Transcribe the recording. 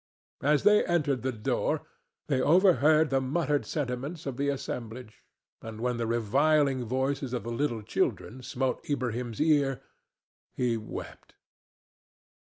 As they entered the door they overheard the muttered sentiments of the assemblage; and when the reviling voices of the little children smote Ilbrahim's ear, he wept.